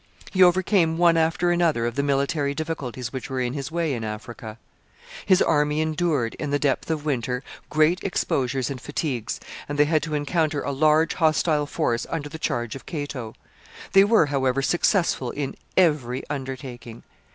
He overcame one after another of the military difficulties which were in his way in Africa. His army endured, in the depth of winter, great exposures and fatigues, and they had to encounter a large hostile force under the charge of Cato. They were, however, successful in every undertaking.